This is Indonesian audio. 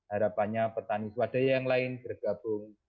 harapannya petani swadaya yang lain bergabung